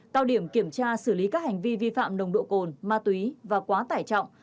cao điểm kiểm tra xử lý các hành vi vi phạm nồng độ cồn ma túy và quá tải trọng